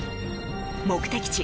目的地